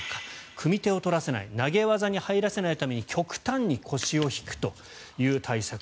組み手を取らせない投げ技に入らせないために極端に腰を引くという対策。